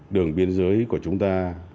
đường biên giới của chúng ta